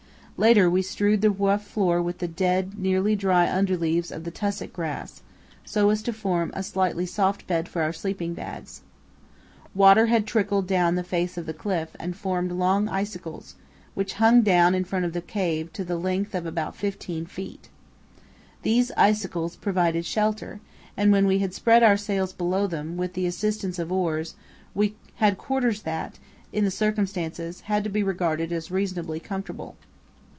Later we strewed the rough floor with the dead, nearly dry underleaves of the tussock grass, so as to form a slightly soft bed for our sleeping bags. Water had trickled down the face of the cliff and formed long icicles, which hung down in front of the cave to the length of about fifteen feet. These icicles provided shelter, and when we had spread our sails below them, with the assistance of oars, we had quarters that, in the circumstances, had to be regarded as reasonably comfortable.